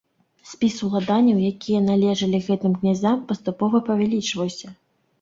Спіс уладанняў, якія належалі гэтым князям, паступова павялічваўся.